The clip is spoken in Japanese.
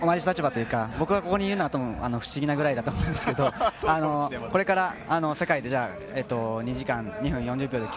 同じ立場というか、僕がここにはたぶん不思議なぐらいだと思うんですけれど、これから世界で２時間２分４０秒。